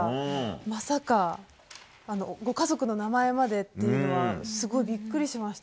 まさかご家族の名前までというのはすごいビックリしました。